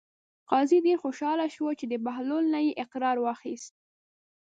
قاضي ډېر خوشحاله شو چې د بهلول نه یې اقرار واخیست.